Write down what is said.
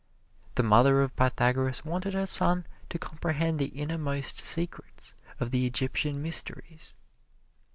The mother of Pythagoras wanted her son to comprehend the innermost secrets of the Egyptian mysteries.